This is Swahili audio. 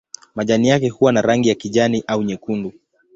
Majani yake huwa na rangi ya kijani au nyekundu.